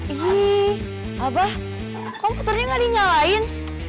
ih abah komputernya gak dinyalain